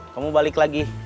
kamu balik lagi